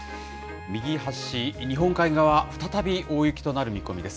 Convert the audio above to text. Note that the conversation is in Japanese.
右端、日本海側、再び大雪となる見込みです。